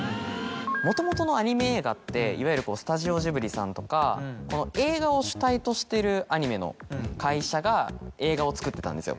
もともとのアニメ映画っていわゆるスタジオジブリさんとか映画を主体としてるアニメの会社が映画を作ってたんですよ。